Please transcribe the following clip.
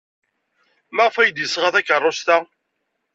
Maɣef ay d-yesɣa takeṛṛust-a?